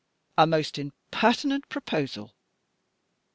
A most impertinent proposal!